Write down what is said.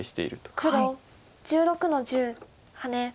黒１６の十ハネ。